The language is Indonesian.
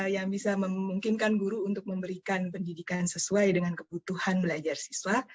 yang bisa memungkinkan guru untuk memberikan pendidikan sesuai dengan kebutuhan belajar siswa